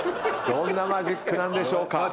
どんなマジックなんでしょうか？